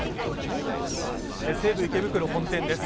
西武池袋本店です。